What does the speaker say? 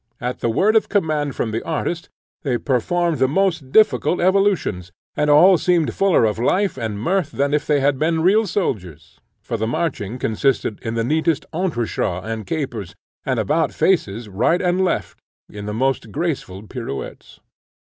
At the word of command from the artist, they performed the most difficult evolutions, and all seemed fuller of life and mirth than if they had been real soldiers; for the marching consisted in the neatest entrechats and capers, and the faces about, right and left, in the most graceful pirouettes.